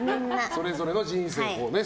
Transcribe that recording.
それぞれの人生がね。